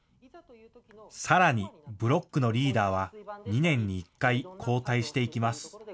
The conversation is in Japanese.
さらに、ブロックのリーダーは２年に１回、交代していきます。